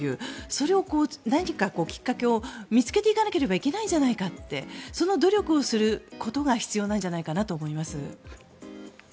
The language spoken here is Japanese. それを、何かきっかけを見つけていかなければいけないんじゃないかってその努力をすることが必要なんじゃないかなと思います。